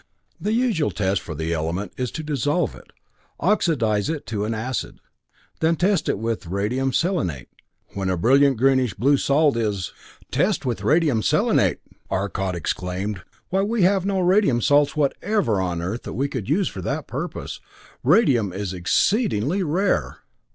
The usual test for the element is to so dissolve it, oxidize it to an acid, then test with radium selenate, when a brilliant greenish blue salt is " "Test with radium selenate!" Arcot exclaimed. "Why, we have no radium salts whatever on Earth that we could use for that purpose. Radium is exceedingly rare!"